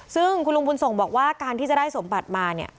ซึ่งคุณลุงบุญส่งบอกว่าการที่จะได้สมบัติมาเนี่ย